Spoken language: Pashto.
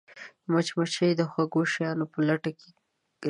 مچمچۍ د خوږو شیانو په لټه کې ګرځي